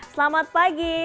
selamat pagi devi